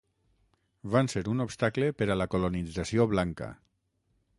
Van ser un obstacle per a la colonització blanca.